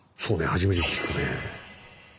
初めて聞くねえ。